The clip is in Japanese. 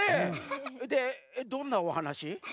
でどんなおはなし？